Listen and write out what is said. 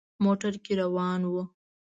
موټر کې روان وو.